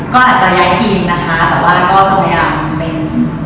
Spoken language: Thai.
ก็อาจจะย้ายทีมนะคะแต่ว่าก็พยายามเป็น